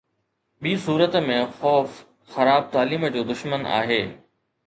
ٻي صورت ۾، خوف خراب تعليم جو دشمن آهي